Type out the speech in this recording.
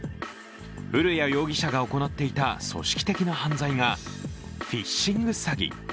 古屋容疑者が行っていた組織的な犯罪がフィッシング詐欺。